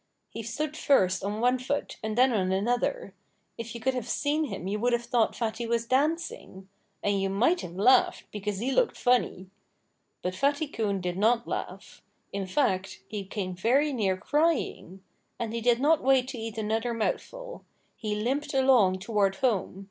He stood first on one foot and then on another. If you could have seen him you would have thought Fatty was dancing. And you might have laughed, because he looked funny. But Fatty Coon did not laugh. In fact, he came very near crying. And he did not wait to eat another mouthful. He limped along toward home.